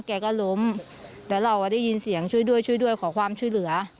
แกก็ล้มแต่เราได้ยินเสียงช่วยด้วยขอความช่วยเหลือ